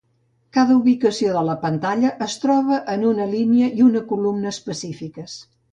Cada ubicació de la pantalla es troba en una línia i una columna específiques.